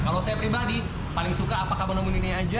kalau saya pribadi paling suka apa kamu nemuin ini aja